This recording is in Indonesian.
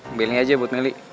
ambil ini aja buat nelly